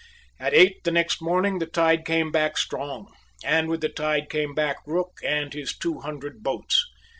At eight the next morning the tide came back strong; and with the tide came back Rooke and his two hundred boats.